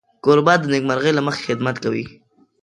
کوربه د نېکمرغۍ له مخې خدمت کوي.